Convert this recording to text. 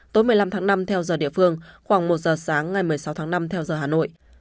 tối một mươi năm tháng năm theo giờ địa phương khoảng một giờ sáng ngày một mươi sáu tháng năm theo giờ hà nội